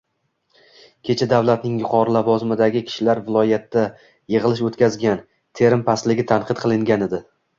Kecha davlatning yuqori lavozimdagi kishilari viloyatda yigʻilish oʻtkazgan, terim pastligi tanqid qilingan edi.